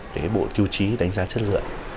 cái bộ tiêu chí đánh giá chất lượng